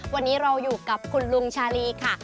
วันนี้เราอยู่กับคุณลุงชาลีค่ะ